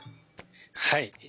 はい。